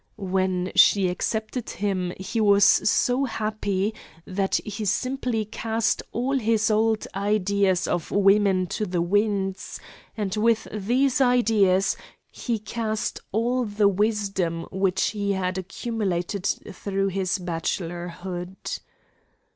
When she accepted him he was so happy that he simply cast all his old ideas of women to the winds, and with these ideas he cast all the wisdom which he had accumulated through his bachelorhood.